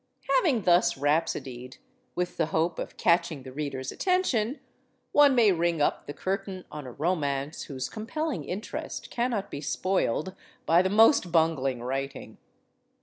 Having thus rhapsodied with the hope of catching the reader's attention, one may ring up the curtain on a romance whose compelling interest cannot be spoiled by the most bungling writing.